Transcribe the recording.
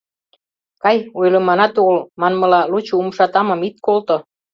Кай, ойлыманат огыл, манмыла, лучо умшатамым ит колто.